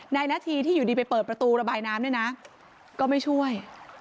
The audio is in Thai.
นาทีที่อยู่ดีไปเปิดประตูระบายน้ำด้วยนะก็ไม่ช่วย